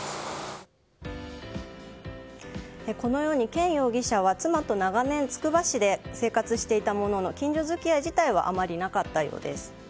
ケン容疑者は妻と長年つくば市で生活していたものの近所付き合い自体はあまりなかったようです。